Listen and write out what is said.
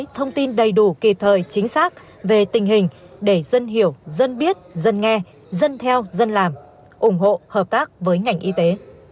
thông tin đầy đủ kịp thời chính xác về tình hình để dân hiểu dân biết dân nghe dân theo dân làm ủng hộ hợp tác với ngành y tế